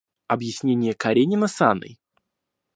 Объяснение Каренина с Анной.